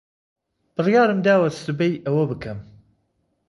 بڕیارم داوە سبەی ئەوە بکەم.